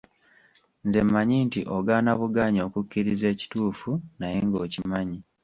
Nze mmanyi nti ogaana bugaanyi okukkiriza ekituufu naye ng’okimanyi.